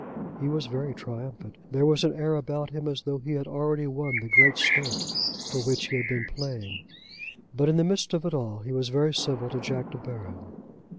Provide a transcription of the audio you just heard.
He was very triumphant. There was an air about him as though he had already won the great stake for which he had been playing. But in the midst of it all he was very civil to Jack De Baron.